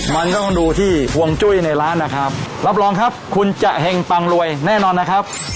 มันก็ต้องดูที่ห่วงจุ้ยในร้านนะครับรับรองครับคุณจะเห็งปังรวยแน่นอนนะครับ